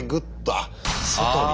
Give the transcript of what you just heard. あっ外に。